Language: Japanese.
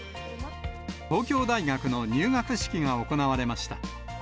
東京大学の入学式が行われました。